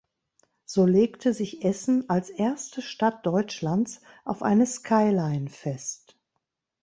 So legte sich Essen als erste Stadt Deutschlands auf eine Skyline fest.